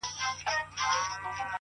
• نن سبا به نه یم زمانې راپسی مه ګوره ,